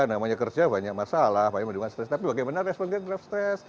namanya kerja banyak masalah banyak penyelenggaraan stres tapi bagaimana respon kita terhadap stres